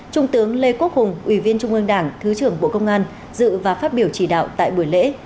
trung tướng lê quốc hùng ủy viên trung ương đảng thứ trưởng bộ công an dự và phát biểu chỉ đạo tại buổi lễ